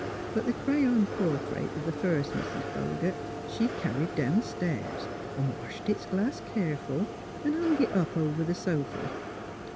But the crayon portrait o ' th ' first Mis ' Bogert she carried downstairs 'n' washed its glass keerful and hung it up over th' sofy.